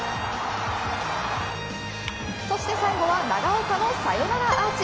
そして最後は長岡のサヨナラアーチ。